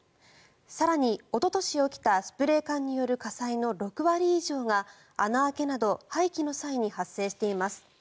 更におととし起きたスプレー缶による火災の６割以上が穴開けなど廃棄の際に発生しています。